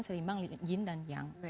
seimbang yin dan yang